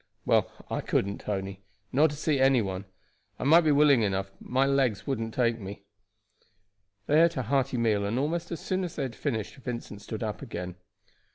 "Well, I couldn't, Tony; not to see any one. I might be willing enough, but my legs wouldn't take me." They ate a hearty meal, and almost as soon as they had finished Vincent stood up again.